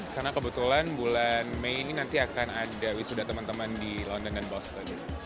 karena kebetulan bulan mei ini nanti akan ada wisuda teman teman di london dan boston